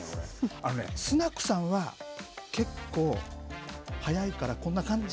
あのね、スナクさんは、結構早いから、こんな感じ。